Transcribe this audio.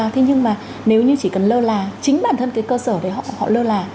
thế nhưng mà nếu như chỉ cần lơ là chính bản thân cái cơ sở đấy họ lơ là